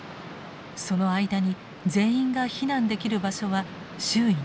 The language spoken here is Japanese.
その間に全員が避難できる場所は周囲にありません。